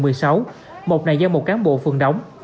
mọc này do một cán bộ phường đóng